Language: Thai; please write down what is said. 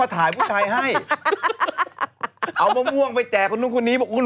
ตอนนี้